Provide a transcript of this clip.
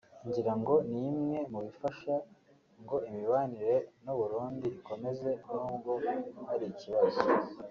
ngira ngo ni imwe mu bifasha ngo imibanire n’u Burundi ikomeze nubwo hari ikibazo